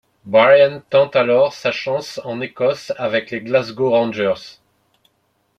Brian tente alors sa chance en Écosse avec les Glasgow Rangers.